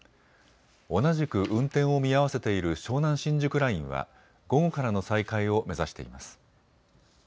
同じく運転を見合わせている湘南新宿ラインは午後からの再開を目指しています。